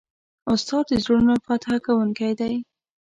استاد د زړونو فتح کوونکی دی.